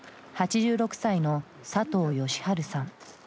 ８６歳の佐藤義治さん。